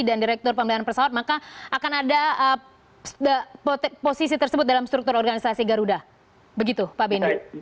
dan direktur pemeliharaan pesawat maka akan ada posisi tersebut dalam struktur organisasi garuda begitu pak benny